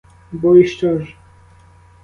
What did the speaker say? Бо і що ж?